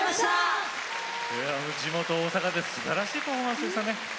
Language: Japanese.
地元大阪ですばらしいパフォーマンスでしたね。